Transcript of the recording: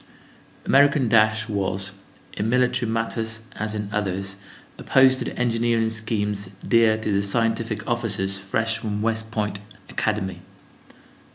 American dash was, in military matters as in others, opposed to the engineering schemes dear to the scientific officers fresh from West Point Academy.